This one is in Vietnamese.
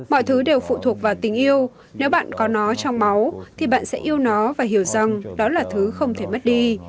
mọi thứ đều phụ thuộc vào tình yêu nếu bạn có nó trong máu thì bạn sẽ yêu nó và hiểu rằng đó là thứ không thể mất đi